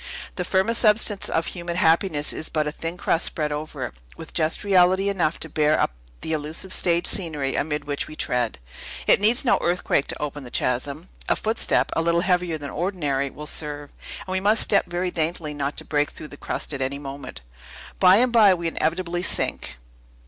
The firmest substance of human happiness is but a thin crust spread over it, with just reality enough to bear up the illusive stage scenery amid which we tread. It needs no earthquake to open the chasm. A footstep, a little heavier than ordinary, will serve; and we must step very daintily, not to break through the crust at any moment. By and by, we inevitably sink!